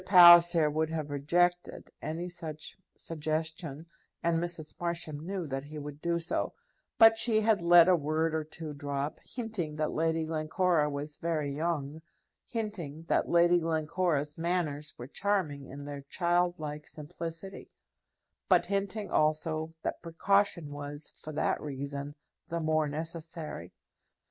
Palliser would have rejected any such suggestion, and Mrs. Marsham knew that he would do so; but she had let a word or two drop, hinting that Lady Glencora was very young, hinting that Lady Glencora's manners were charming in their childlike simplicity; but hinting also that precaution was, for that reason, the more necessary.